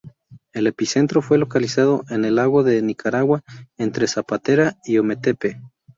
El epicentro fue localizado en el Lago de Nicaragua, entre Zapatera y Ometepe.